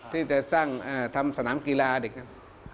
ที่จะสร้างทำสนามกีฬาเด็กครับ